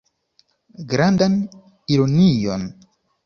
Grandan ironion.